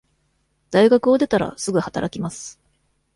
大学を出たら、すぐ働きます。